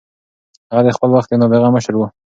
هغه د خپل وخت یو نابغه مشر و.